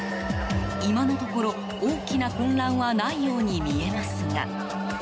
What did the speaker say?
今のところ、大きな混乱はないように見えますが。